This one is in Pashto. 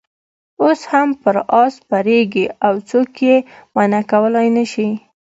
اوس هم پر آس سپرېږي او څوک یې منع کولای نه شي.